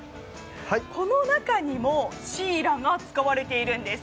この中にもシイラが使われているんです。